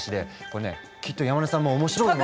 これねきっと山根さんも面白い。